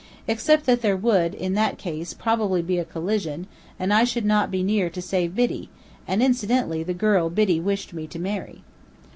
Except that there would in that case probably be a collision, and I should not be near to save Biddy and incidentally the girl Biddy wished me to marry.